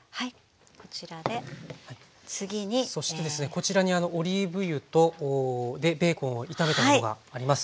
こちらにオリーブ油とベーコンを炒めたものがあります。